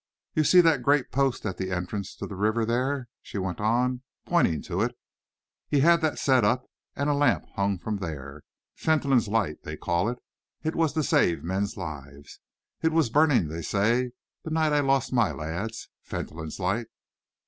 You see that great post at the entrance to the river there?" she went on, pointing to it. "He had that set up and a lamp hung from there. Fentolin's light, they call it. It was to save men's lives. It was burning, they say, the night I lost my lads. Fentolin's light!"